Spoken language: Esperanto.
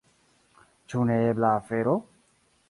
Ĉu neebla afero?